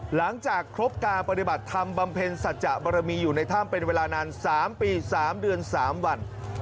หลังจากครบการปฏิบัติธรรมบำเพ็ญสัจจะบรมีอยู่ในถ้ำเป็นเวลานาน๓ปี๓เดือน๓วัน